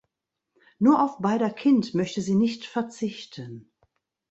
Nur auf beider Kind möchte sie nicht verzichten.